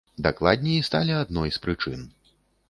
Дакладней, сталі адной з прычын.